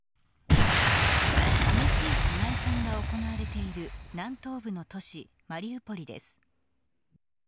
激しい市街戦が行われている南東部の都市・マリウポリです。